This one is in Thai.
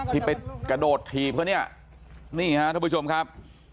ไปกระโดดขี่เพราะเนี่ยนี่ครับทุกผู้ชมครับ